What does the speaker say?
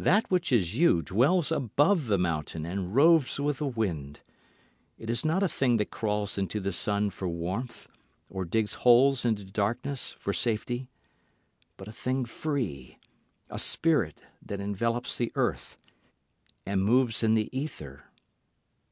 That which is you dwells above the mountain and roves with the wind. It is not a thing that crawls into the sun for warmth or digs holes into darkness for safety, But a thing free, a spirit that envelops the earth and moves in the ether.